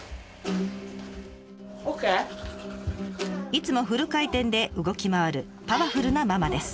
いつもフル回転で動き回るパワフルなママです。